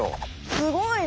すごいね！